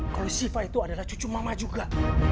kalau siva itu adalah cucu mama juga